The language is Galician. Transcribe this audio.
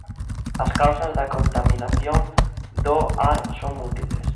As causas da contaminación do ar son múltiples.